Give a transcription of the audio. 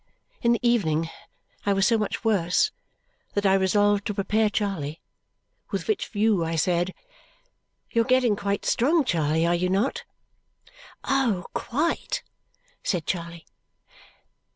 In the evening I was so much worse that I resolved to prepare Charley, with which view I said, "You're getting quite strong, Charley, are you not?' "Oh, quite!" said Charley.